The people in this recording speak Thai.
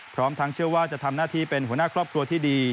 พร้อมทั้งเชื่อว่าจะทำหน้าที่เป็นหัวหน้าครอบครัวที่ดี